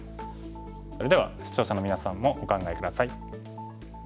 それでは視聴者のみなさんもお考え下さい。